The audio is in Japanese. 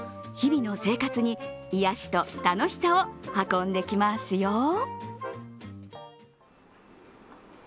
日々の生活に癒しと楽しさを運んできますよ。